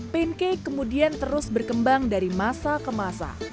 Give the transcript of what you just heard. pancake kemudian terus berkembang dari masa ke masa